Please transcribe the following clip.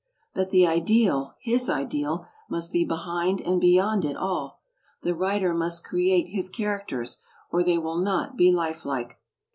But the ideal, his ideal, must be behind and beyond it all. The writer must create his characters, or they will not be life like.